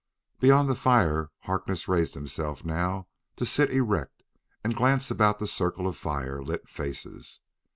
Beyond the fire, Harkness raised himself now to sit erect and glance about the circle of fire lit faces.